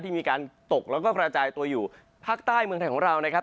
มีการตกแล้วก็กระจายตัวอยู่ภาคใต้เมืองไทยของเรานะครับ